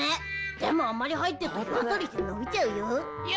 でもあんまり入ってると湯あたりしてのびちゃうよ。